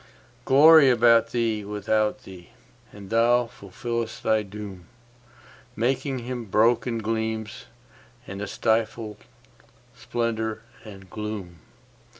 Glory about thee, without thee; and thou fulfillest thy doom, Making Him broken gleams, and a stifled splendour and gloom.